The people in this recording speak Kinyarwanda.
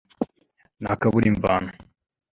nta kabura imvano